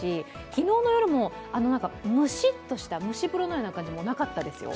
昨日の夜も、ムシッとした蒸し風呂のような感じもなかったですよ。